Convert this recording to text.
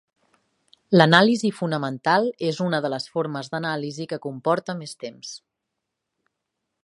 L'anàlisi fonamental és una de les formes d'anàlisi que comporta més temps.